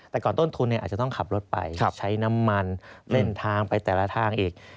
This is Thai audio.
แต่ก่อนต้นทุนอาจจะต้องขับรถไปใช้น้ำมันเส้นทางไปแต่ละทางอีก